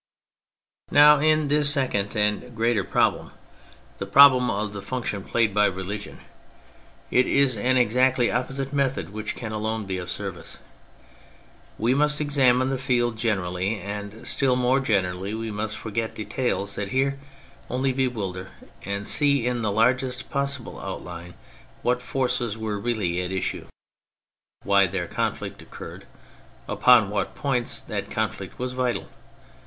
Now in this second and greater problem, the 216 THE FRENCH REVOLUTION problem of the function played by religion, it is an exactly opposite method which can alone be of service. We must examine the field generally, and still more generally we must forget details that here only bewilder, and see in the largest possible outline what forces were really at issue, why their conflict occurred, upon what points that conflict was vital.